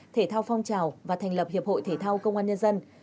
thể thao phong trào và thành lập hiệp hội thể thao công an nhân dân